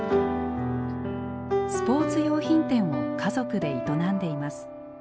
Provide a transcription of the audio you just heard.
スポーツ用品店を家族で営んでいます。